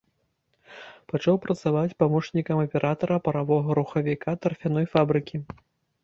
Пачаў працаваць памочнікам аператара паравога рухавіка тарфяной фабрыкі.